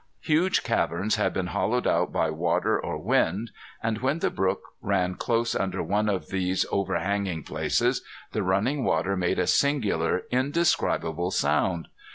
Huge caverns had been hollowed out by water or wind. And when the brook ran close under one of these overhanging places the running water made a singular indescribable sound.